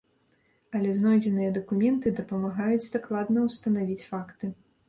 Але знойдзеныя дакументы дапамагаюць дакладна ўстанавіць факты.